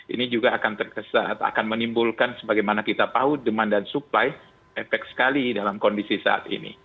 ini juga akan menimbulkan sebagaimana kita tahu demand dan supply efek sekali dalam kondisi saat ini